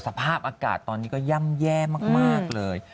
สภาพอากาศตอนนี้ก็ย่ำแย่มากเลย